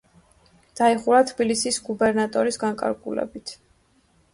დაიხურა თბილისის გუბერნატორის განკარგულებით.